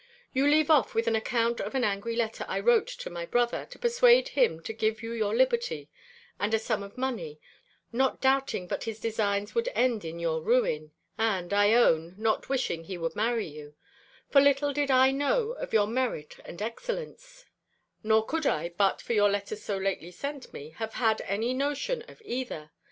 You leave off with an account of an angry letter I wrote to my brother, to persuade him to give you your liberty, and a sum of money; not doubting but his designs would end in your ruin, and, I own, not wishing he would marry you; for little did I know of your merit and excellence, nor could I, but for your letters so lately sent me, have had any notion of either.